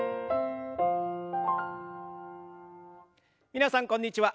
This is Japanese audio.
皆さんこんにちは。